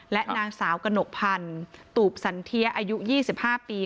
และนางสาวกระหนกพันธ์ตูบสันเทียอายุ๒๕ปี